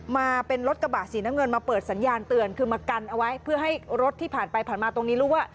มาเป็นรถกระบะสีน้ำเงินมาเปิดสัญญาณเตือนคือมากันเอาไว้เพื่อให้รถที่ผ่านไปผ่านมาตรงนี้รู้ว่า